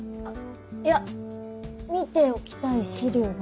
いや見ておきたい資料が。